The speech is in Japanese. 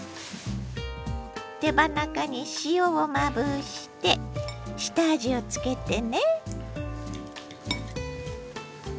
手羽中に塩をまぶして下味をつけてね。